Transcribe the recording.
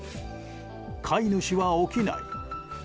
飼い主は起きない。